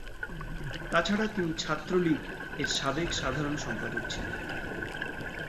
তাছাড়া তিনি ছাত্রলীগ এর সাবেক সাধারণ সম্পাদক ছিলেন।